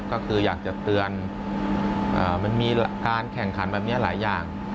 ก็คืออยากจะเตือนมันมีการแข่งขันแบบนี้หลายอย่าง